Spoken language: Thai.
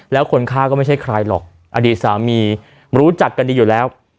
แล้วคนฆ่าก็ไม่ใช่ใครหรอกอดีตสามีรู้จักกันดีอยู่แล้ว